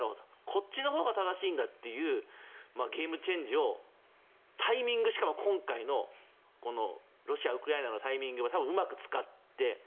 こっちのほうが正しいんだというゲームチェンジを今回のロシア、ウクライナのタイミングをうまく使って。